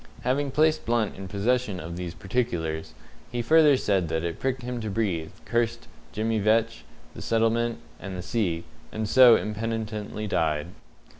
Having placed Blunt in possession of these particulars, he further said that it pricked him to breathe, cursed Jemmy Vetch, the settlement, and the sea, and so impenitently died.